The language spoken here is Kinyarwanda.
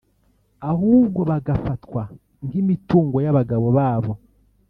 ahubwo bagafatwa nk’imitungo y’abagabo babo